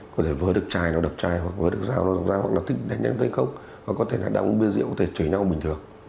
có thể vơ đực chai nó đập chai vơ đực rào nó đập rào hoặc là thích đánh đánh thay khóc hoặc là có thể là đau bước bia rượu có thể chởi nhau bình thường